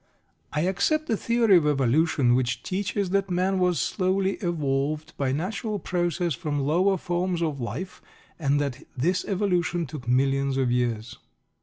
I accept the theory of evolution, which teaches that man was slowly evolved by natural process from lower forms of life, and that this evolution took millions of years.